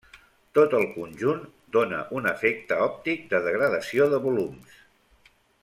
Tot el conjunt dóna un efecte òptic de degradació de volums.